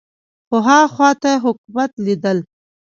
خو ها خوا ته حکومت لیدل